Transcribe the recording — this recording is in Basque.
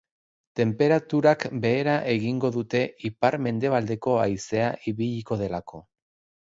Tenperaturak behera egingo dute ipar-mendebaldeko haizea ibiliko delako.